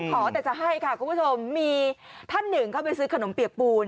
ขอแต่จะให้ค่ะคุณผู้ชมมีท่านหนึ่งเข้าไปซื้อขนมเปียกปูน